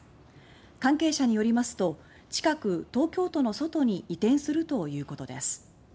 関係者によりますと近く東京都の外に移転するということです。